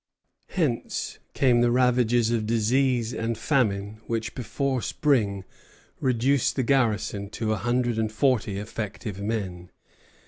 Hence came the ravages of disease and famine which, before spring, reduced the garrison to a hundred and forty effective men.